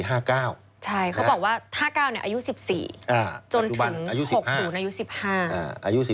ใช่เขาบอกว่า๕๙อายุ๑๔จนถึง๖ศูนย์อายุ๑๕